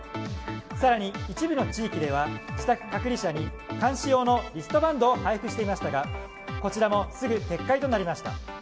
更に、一部の地域では自宅隔離者に監視用のリストバンドを配布していましたがこちらもすぐ撤回となりました。